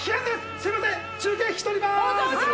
すいません、中継引き取ります。